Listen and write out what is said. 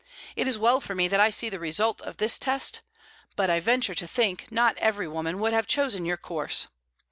It is well for me that I see the result of this test, but, I venture to think, not every woman would have chosen your course.